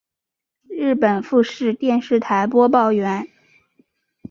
日本富士电视台播报员。